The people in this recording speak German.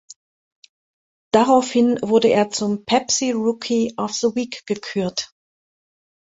Daraufhin wurde er zum Pepsi Rookie of the Week gekürt.